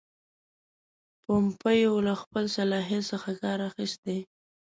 پومپیو له خپل صلاحیت څخه کار اخیستی.